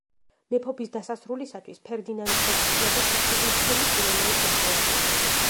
მეფობის დასასრულისათვის ფერდინანდს ეკუთვნოდა თითქმის მთელი პირენეის ნახევარკუნძული.